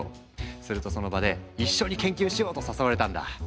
するとその場で「一緒に研究しよう」と誘われたんだ。